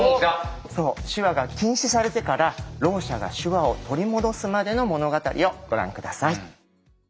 そう手話が禁止されてからろう者が手話を取り戻すまでの物語をご覧下さい。